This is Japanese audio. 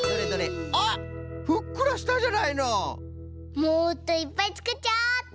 もっといっぱいつくっちゃおっと。